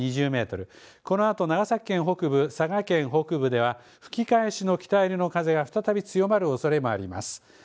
また壱岐でも２０メートル、このあと長崎県北部、佐賀県北部では吹き返しの北寄りの風が再び強まるおそれもあります。